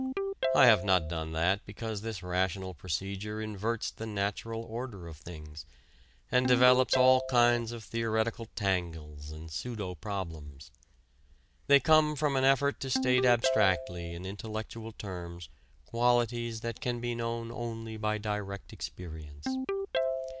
I have not done that because this rational procedure inverts the natural order of things and develops all kinds of theoretical tangles and pseudo problems. They come from an effort to state abstractly in intellectual terms qualities that can be known only by direct experience.